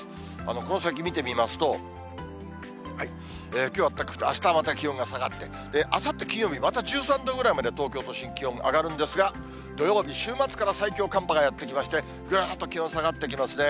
この先見てみますと、きょうあったかくて、あしたまた気温が下がって、あさって金曜日、また１３度ぐらいまで、東京都心、気温上がるんですが、土曜日、週末から最強寒波がやって来まして、ぐっと気温下がってきますね。